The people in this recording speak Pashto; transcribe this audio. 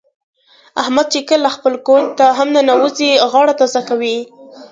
احمد چې کله خپل کورته هم د ننه کېږي، غاړه تازه کوي.